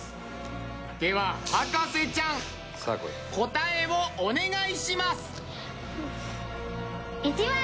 では博士ちゃん答えをお願いします。